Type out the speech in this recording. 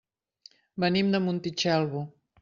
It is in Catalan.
Venim de Montitxelvo.